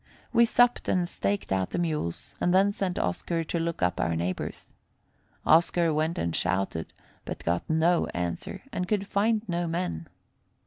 We supped and staked out the mules, and then sent Oscar to look up our neighbors. Oscar went and shouted, but got no answer, and could find no men.